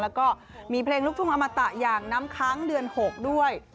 แล้วก็มีเพลงลูกทุ่งอมตะอย่างน้ำค้างเดือน๖ด้วย